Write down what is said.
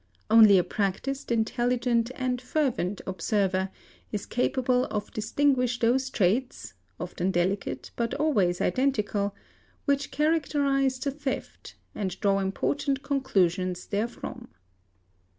Only a practised, intelligent, and fervent observer is capable of distinguishing those traits, often delicate but always identical, | which characterise the theft, and draw important conclusions therefrom.